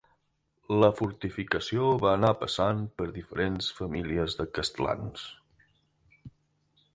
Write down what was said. La fortificació va anar passant per diferents famílies de castlans.